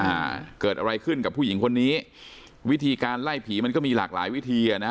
อ่าเกิดอะไรขึ้นกับผู้หญิงคนนี้วิธีการไล่ผีมันก็มีหลากหลายวิธีอ่ะนะ